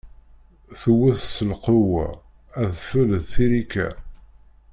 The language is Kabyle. Tewwet s lqewwa, adfel d tiṛika.